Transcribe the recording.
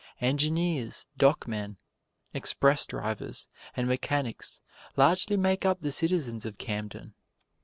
Engineers, dockmen, express drivers and mechanics largely make up the citizens of Camden.